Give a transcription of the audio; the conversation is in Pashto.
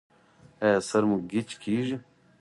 ایا سر مو ګیچ کیږي؟